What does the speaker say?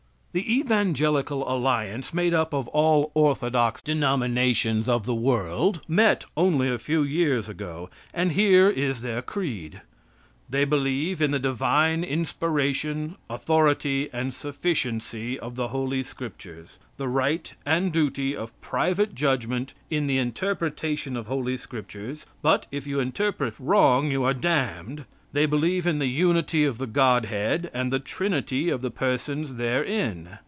The Evangelical Alliance, made up of all orthodox denominations of the world, met only a few years ago, and here is their creed: They believe in the divine inspiration, authority, and sufficiency of the Holy Scriptures; the right and duty of private judgment in the interpretation of Holy Scriptures, but if you interpret wrong you are damned. They believe in the unity of the Godhead and the trinity of the persons therein.